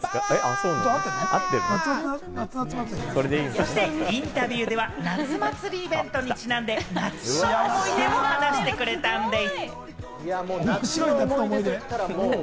そしてインタビューでは夏祭りイベントにちなんで夏の思い出を話してくれたんでぃす。